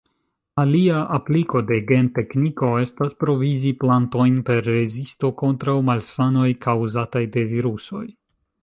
Alia apliko de gentekniko estas provizi plantojn per rezisto kontraŭ malsanoj kaŭzataj de virusoj.